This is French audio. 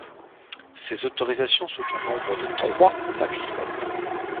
Ces autorisations sont au nombre de trois au maximum.